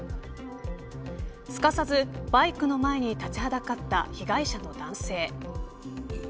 すかさず、バイクの前に立ちはだかった被害者の男性。